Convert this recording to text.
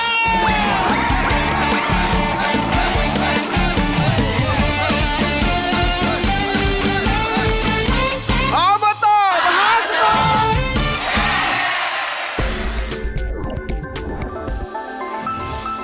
อาวุธต่อมหาสนุก